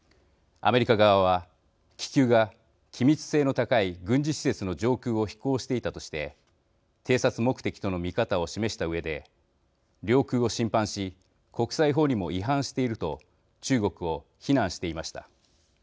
アメリカ側は、気球が機密性の高い軍事施設の上空を飛行していたとして偵察目的との見方を示したうえで領空を侵犯し国際法にも違反していると中国を非難していました。